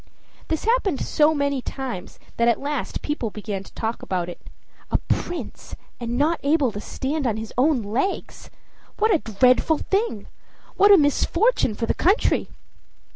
This happened so many times that at last people began to talk about it. A prince, and not able to stand on his own legs! What a dreadful thing! What a misfortune for the country!